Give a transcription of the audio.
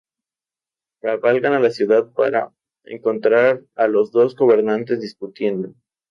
Cabalgan a la ciudad para encontrar a los dos co-gobernantes discutiendo.